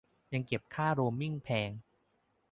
ยังเก็บค่าโรมมิ่งแพง